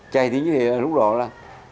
chạy như thế là lúc đó là